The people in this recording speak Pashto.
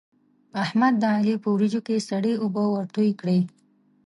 احمد د علي په وريجو کې سړې اوبه ورتوی کړې.